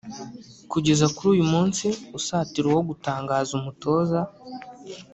Kugeza kuri uyu munsi usatira uwo gutangaza umutoza